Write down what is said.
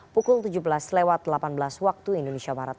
pukul tujuh belas lewat delapan belas waktu indonesia barat